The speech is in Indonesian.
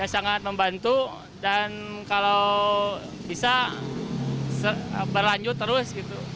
sangat membantu dan kalau bisa berlanjut terus